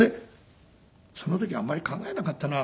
その時はあんまり考えなかったな。